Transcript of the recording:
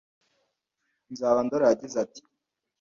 Nzabandora yagize ati